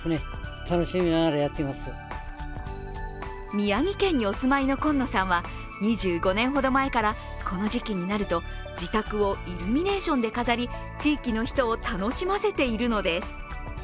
宮城県にお住まいの今野さんは２５年ほど前からこの時期になると自宅をイルミネーションで飾り地域の人を楽しませているのです。